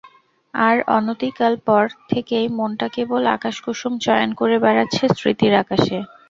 তার অনতিকাল পর থেকেই মনটা কেবল আকাশকুসুম চয়ন করে বেড়াচ্ছে স্মৃতির আকাশে।